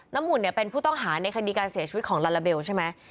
หุ่นเนี่ยเป็นผู้ต้องหาในคดีการเสียชีวิตของลาลาเบลใช่ไหม